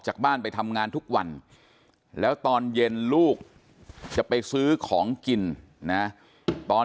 จากบ้านไปทำงานทุกวันแล้วตอนเย็นลูกจะไปซื้อของกินนะตอน